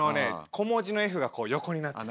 小文字のｆが横になってる。